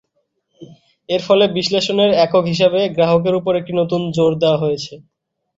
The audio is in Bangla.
এর ফলে বিশ্লেষণের একক হিসাবে গ্রাহকের উপর একটি নতুন জোর দেওয়া হয়েছে।